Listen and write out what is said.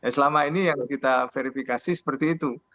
selama ini yang kita verifikasi seperti itu